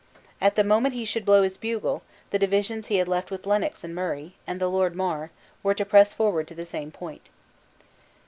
At the moment he should blow his bugle, the divisions he had left with Lennox and Murray, and the Lord Mar, were to press forward to the same point.